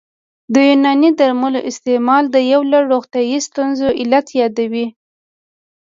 د یوناني درملو استعمال د یو لړ روغتیايي ستونزو علت یادوي